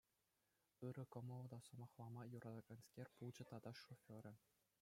Ырӑ кӑмӑллӑ та сӑмахлама юратаканскер пулчӗ тата шоферӗ.